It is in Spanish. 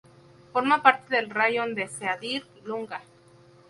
Forma parte del raión de Ceadîr-Lunga.